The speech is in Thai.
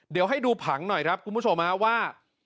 เดี๋ยวให้ดูผังหน่อยครับคุณผู้ชมว่า